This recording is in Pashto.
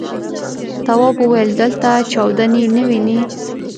تواب وويل: دلته چاودنې نه وینې.